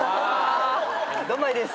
ドンマイです。